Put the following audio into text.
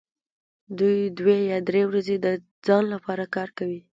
دوی دوې یا درې ورځې د ځان لپاره کار کوي